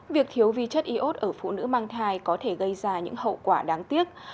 việc thiếu vi chất iốt ở phụ nữ mang thai có thể gây ra những hậu quả đáng tiếc